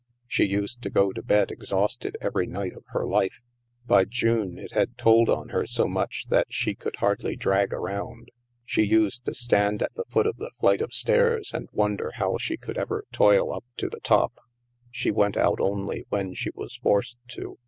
She used to go to bed exhausted every night of her life. By June, it had told on her so that she could hardly drag around. She used to stand at the foot of the flight of stairs and wonder how she could THE MAELSTROM 205 ever toil up to the top. She went out only when she was forced to.